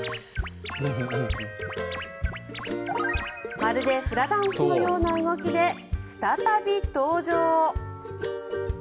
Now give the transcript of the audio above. まるでフラダンスのような動きで再び登場。